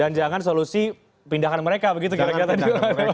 dan jangan solusi pindahkan mereka begitu kira kira tadi